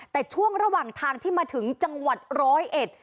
แต่ช่วงระหว่างทางที่มาถึงจังหวัดร้อยเอ็ด